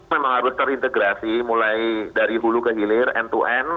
memang harus terintegrasi mulai dari hulu ke hilir end to end